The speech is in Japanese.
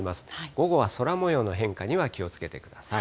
午後は空もようの変化には気をつけてください。